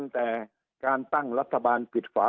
สุดท้ายก็ต้านไม่อยู่